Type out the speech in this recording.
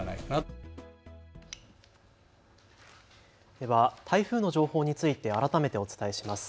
では台風の情報について改めてお伝えします。